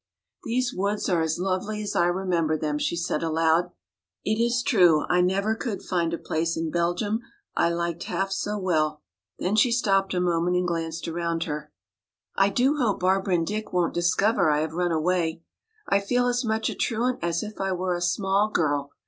"These woods are as lovely as I remember them," she said aloud. "It is true, I never could find a place in Belgium I liked half so well." Then she stopped a moment and glanced around her. "I do hope Barbara and Dick won't discover I have run away. I feel as much a truant as if I were a small girl.